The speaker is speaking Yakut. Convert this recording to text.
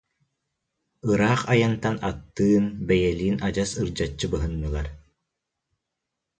Ыраах айантан аттыын, бэйэлиин адьас ырдьаччы быһыннылар